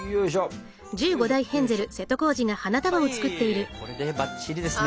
はいこれでバッチリですね！